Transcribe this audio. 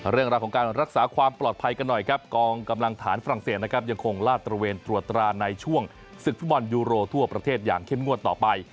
เรื่องราวของการรักษาความปลอดภัยกันหน่อยครับกองกำลังฐานฝรั่งเศสนะครับยังคงลาดตระเวนตรวจตราในช่วงศึกฟุตบอลยูโรทั่วประเทศอย่างเข้มงวดต่อไป